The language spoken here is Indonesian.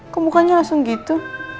kok bukannya langsung gitu